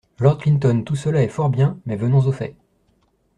Lord Clinton Tout cela est fort bien, mais venons au fait.